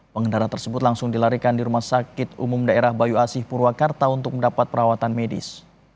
pengendara tersebut langsung dilarikan di rumah sakit umum daerah bayu asih purwakarta untuk mendapat perawatan medis